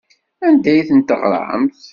Anda ay ten-teɣramt?